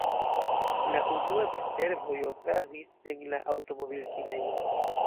La unuaj diservoj okazis en la aŭtomobil-kinejo.